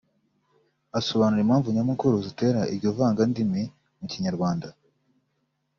asobanura impamvu nyamukuru zitera iryo vangandimi mu Kinyarwanda